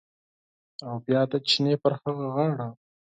او بیا د چینې پر هغه غاړه